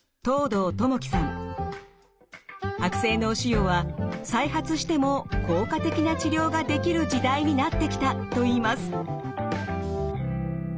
悪性脳腫瘍は再発しても効果的な治療ができる時代になってきたといいます。